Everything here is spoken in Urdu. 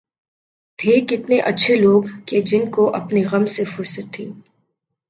تھے کتنے اچھے لوگ کہ جن کو اپنے غم سے فرصت تھی